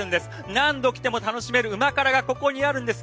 何度来ても楽しめる旨辛がここにあるんです。